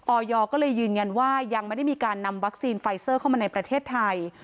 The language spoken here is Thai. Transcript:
อยก็เลยยืนยันว่ายังไม่ได้มีการนำวัคซีนไฟเซอร์เข้ามาในประเทศไทย